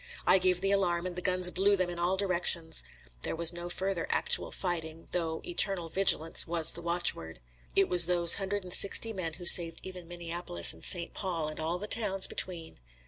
I gave the alarm, and the guns blew them in all directions. There was no further actual fighting, though eternal vigilance was the watchword. It was those hundred and sixty men who saved even Minneapolis and St. Paul, and all the towns between.